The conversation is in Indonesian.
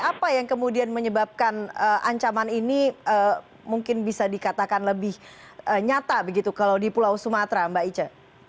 apa yang kemudian menyebabkan ancaman ini mungkin bisa dikatakan lebih nyata begitu kalau di pulau sumatera mbak ica